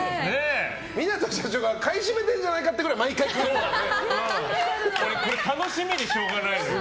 港社長が買い占めてるんじゃないかってぐらい楽しみでしょうがない。